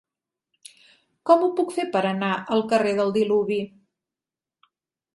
Com ho puc fer per anar al carrer del Diluvi?